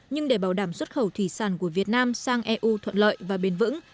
nhưng để bảo đảm xuất khẩu thủy sản của việt nam sang eu thuận lợi và bền vững